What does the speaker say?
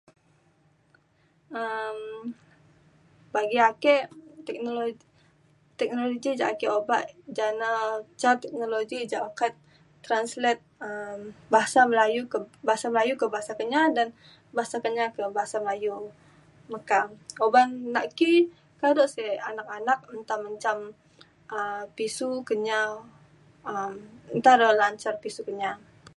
um bagi ake teknolo-teknologi ja ake uban ja teknologi uban translate um Bahasa Melayu ke Bahasa Kenyah dan Bahasa Kenyah ke Bahasa Melayu meka uban nak ki kadu sek anak anak enta mejam um pisu Kenyah um enta la cen pisu Kenyah.